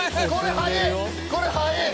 これ速え。